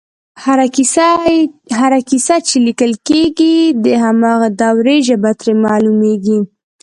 هره کیسه چې لیکل کېږي د هماغې دورې ژبه ترې معلومېږي